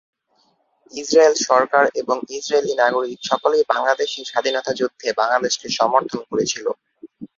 Israel সরকার এবং Israeli নাগরিক সকলেই বাংলাদেশের স্বাধীনতা যুদ্ধে বাংলাদেশকে সমর্থন করেছিলো।